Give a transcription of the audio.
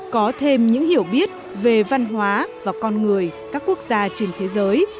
có thêm những hiểu biết về văn hóa và con người các quốc gia trên thế giới